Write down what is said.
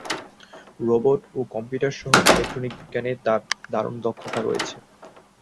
Robot ও computer সহ electronic বিজ্ঞানে তার দারুণ দক্ষতা রয়েছে।